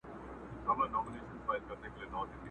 لاندي باندي به جهان کړې ما به غواړې نه به یمه!!